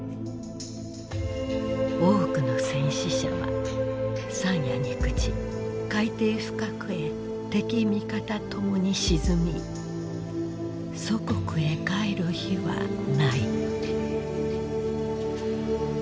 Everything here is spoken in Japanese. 多くの戦死者は山野に朽ち海底深くへ敵味方ともに沈み祖国へ還る日はない」。